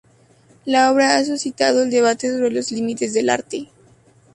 La obra ha suscitado el debate sobre los límites del arte.